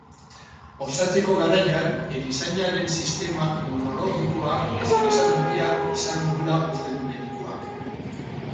Osatzeko garaian erizainaren sistema immunologikoak zeresan handia izan duela uste du medikuak.